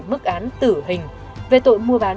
mức án tử hình về tội mua bán